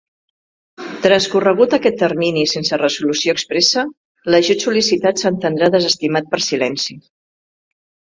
Transcorregut aquest termini sense resolució expressa, l'ajut sol·licitat s'entendrà desestimat per silenci.